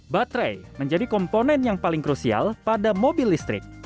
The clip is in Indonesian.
baterai menjadi komponen yang paling krusial pada mobil listrik